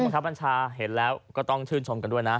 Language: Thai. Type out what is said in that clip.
ครับบัญชาเห็นแล้วก็ต้องชื่นชมกันด้วยนะ